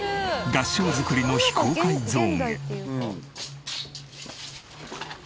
合掌造りの非公開ゾーンへ。